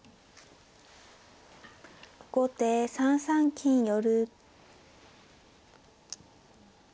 後手３三金寄。